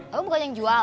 oh bukan yang jual